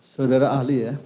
sudara ahli ya